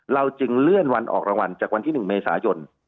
จึงเลื่อนวันออกรางวัลจากวันที่๑เมษายน